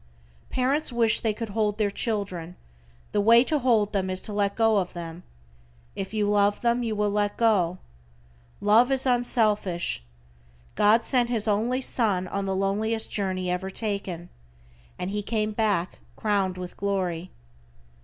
Parents wish they could hold their children, the way to hold them is to let go of them. If you love them you will let go. Love is unselfish. God sent His only Son on the loneliest journey ever taken, and He came back crowned with glory.